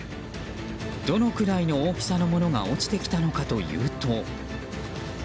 どのくらいの大きさのものが落ちてきたのかというと。